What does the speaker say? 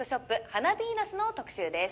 花ヴィーナスの特集です